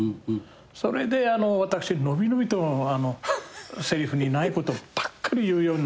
それで私伸び伸びとセリフにないことばっかり言うようになったっていう。